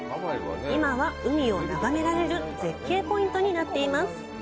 今は、海をながめられる絶景ポイントになっています。